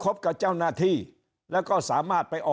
คราวนี้เจ้าหน้าที่ป่าไม้รับรองแนวเนี่ยจะต้องเป็นหนังสือจากอธิบดี